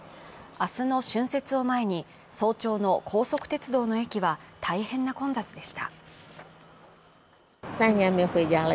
明日の春節を前に、早朝の高速鉄道の駅は大変な混雑でした。